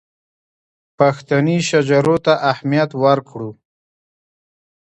پښتني شجرو ته اهمیت ورکړو.